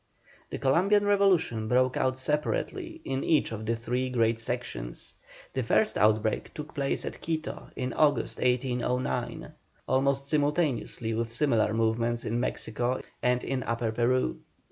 The Columbian revolution broke out separately, in each of the three great sections. The first outbreak took place at Quito in August, 1809, almost simultaneously with similar movements in Mexico and in Upper Peru.